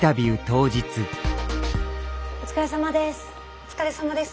お疲れさまです。